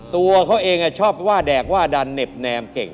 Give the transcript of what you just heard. ตัวเขาเองค่ะชอบว่าแดกว่าดัน